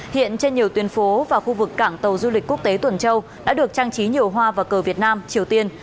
hiện trên nhiều tuyên phố và khu vực cảng tàu du lịch quốc tế tuần châu đã được trang trí nhiều hoa và cờ việt nam triều tiên